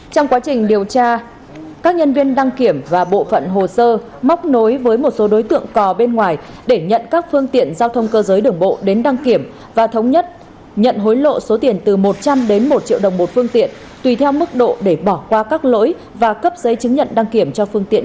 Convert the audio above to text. trong quá trình điều tra các nhân viên đăng kiểm và bộ phận hồ sơ móc nối với một số đối tượng cò bên ngoài để nhận các phương tiện giao thông cơ giới đường bộ đến đăng kiểm và thống nhất nhận hối lộ số tiền từ một trăm linh đến một triệu đồng một phương tiện